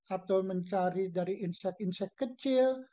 atau mencari dari insek insight kecil